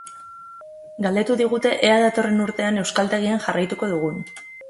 Galdetu digute ea datorren urtean euskaltegian jarraituko dugun.